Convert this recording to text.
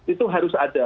itu harus ada